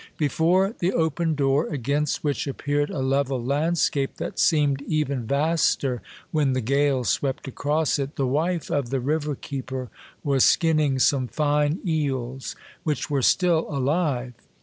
Before the open door, against which appeared a level landscape that seemed even vaster when the gale swept across it, the wife of the river keeper was skinning some fine eels, which were still alive.